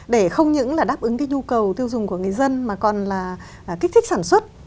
để không những là đáp ứng cái nhu cầu tiêu dùng của người dân mà còn là kích thích sản xuất